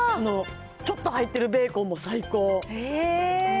ちょっと入ってるベーコンも最高。